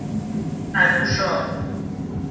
اَنوشا